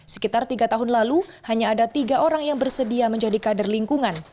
sekitar tiga tahun lalu hanya ada tiga orang yang bersedia menjadi kader lingkungan